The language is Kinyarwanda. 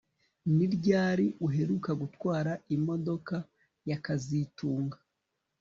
Ni ryari uheruka gutwara imodoka ya kazitunga